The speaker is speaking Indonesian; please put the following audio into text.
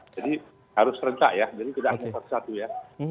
jadi harus rencang ya jadi tidak ada satu satu ya